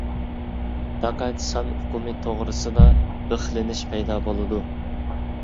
پەقەت سان ئۇقۇمى توغرىسىدا بىخلىنىش پەيدا بولىدۇ.